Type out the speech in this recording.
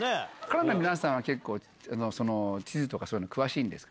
ＫＡＲＡの皆さんは結構、地図とかそういうの詳しいんです